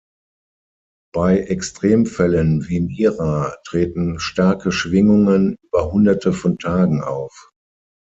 Bei Extremfällen wie Mira treten starke Schwingungen über Hunderte von Tagen auf.